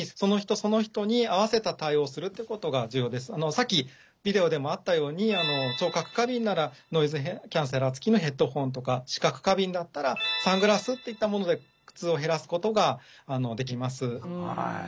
さっきビデオでもあったように聴覚過敏ならノイズキャンセラーつきのヘッドホンとか視覚過敏だったらサングラスっていったもので苦痛を減らすことができます。